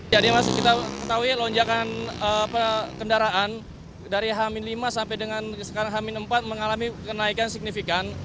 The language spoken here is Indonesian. jadi kita mengetahui lonjakan kendaraan dari hamin lima sampai dengan sekarang hamin empat mengalami kenaikan signifikan